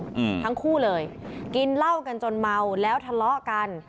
อืมทั้งคู่เลยกินเหล้ากันจนเมาแล้วทะเลาะกัน